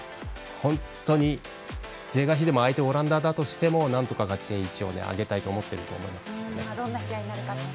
本当に是が非でも相手オランダだとしても、なんとか勝ち点１を挙げたいと思っていると思います。